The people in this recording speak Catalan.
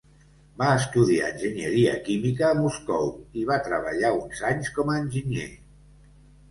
Va estudiar enginyeria química a Moscou i va treballar uns anys com a enginyer.